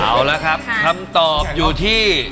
เอาละครับคำตอบอยู่ที่